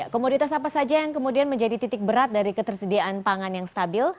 komoditas apa saja yang kemudian menjadi titik berat dari ketersediaan pangan yang stabil